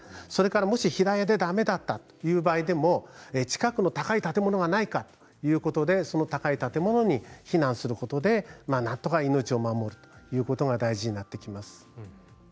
もし平屋で、だめだった場合でも近くに高い建物がないかその高い建物に避難することでなんとか命を守ることが大事になってきます。